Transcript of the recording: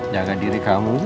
jaga diri kamu